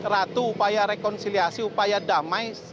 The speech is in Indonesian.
ratu upaya rekonsiliasi upaya damai